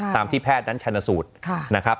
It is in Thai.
ที่แพทย์นั้นชนสูตรนะครับ